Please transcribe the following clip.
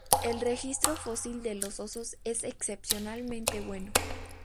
El registro fósil de los osos es excepcionalmente bueno.